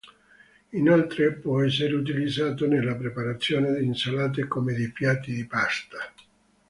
Inoltre può essere utilizzato nella preparazione di insalate come di piatti di pasta.